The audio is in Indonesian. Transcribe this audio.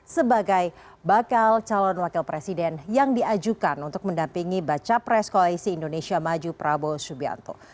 sebagai bakal calon wakil presiden yang diajukan untuk mendampingi baca pres koalisi indonesia maju prabowo subianto